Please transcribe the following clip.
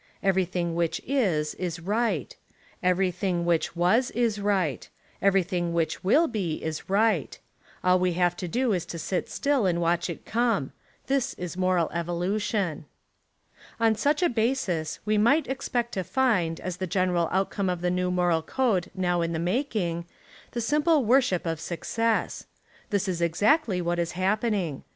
Everything which is, is right; everything which was, is right; everything which will be, is right. All we have to do Is to sit still and watch it come. This is moral evolution. On such a basis, we might expect to find, as the general outcome of the new moral code now in the making, the simple worship of suc cess. This is exactly what is happening.